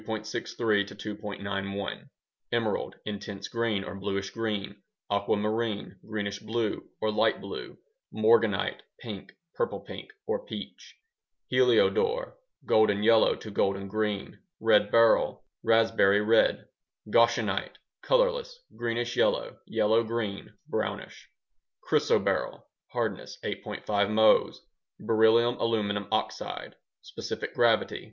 91 Emerald: Intense green or bluish green Aquamarine: Greenish blue or light blue Morganite: Pink, purple pink, or peach Heliodore: Golden yellow to golden green Red beryl: Raspberry red Goshenite: Colorless, greenish yellow, yellow green, brownish Chrysoberyl (hardness: 8.5 Mohs) Beryllium aluminum oxide Specific gravity: 3.